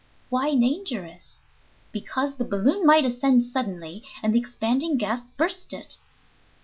"Why dangerous?" "Because the balloon might ascend suddenly, and the expanding gas burst it."